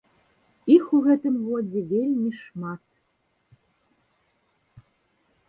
Іх у гэтым годзе вельмі шмат!